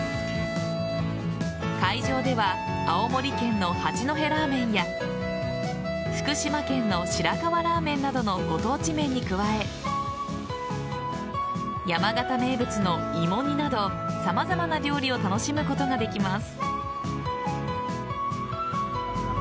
会場では青森県の八戸ラーメンや福島県の白河ラーメンなどのご当地麺に加え山形名物の芋煮など様々な料理を楽しむことができます。